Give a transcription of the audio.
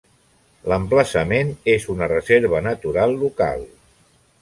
L"emplaçament és una reserva natural local.